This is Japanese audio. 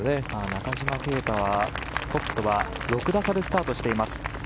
中島啓太はトップとは６打差でスタートしています。